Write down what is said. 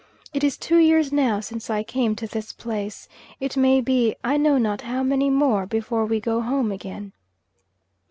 It is two years now since I came to this place; it may be I know not how many more before we go home again."